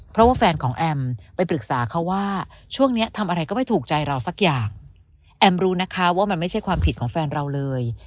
เพราะว่าแฟนของแอมไปปรึกษาเขาว่าช่วงนี้ทำอะไรก็ไม่ถูกใจเราสักอย่างแอมรู้นะคะว่ามันไม่ใช่ความผิดของแฟนเราเลย